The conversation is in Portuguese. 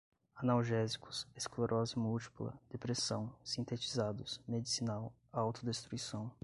analgésicos, esclerose múltipla, depressão, sintetizados, medicinal, autodestruição